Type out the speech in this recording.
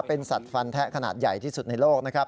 เป็นสัตว์ฟันแทะขนาดใหญ่ที่สุดในโลกนะครับ